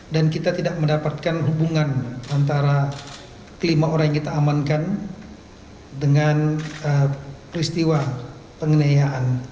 dan kita tidak mendapatkan hubungan antara kelima orang yang kita amankan dengan peristiwa pengenayaan